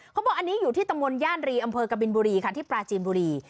เขาบอกอันนี้อยู่ที่ตำบลย่านรีอำเภอกบินบุรีค่ะที่ปราจีนบุรี